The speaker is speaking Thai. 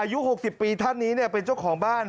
อายุ๖๐ปีท่านนี้เป็นเจ้าของบ้าน